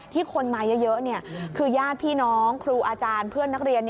คนมาเยอะคือญาติพี่น้องครูอาจารย์เพื่อนนักเรียน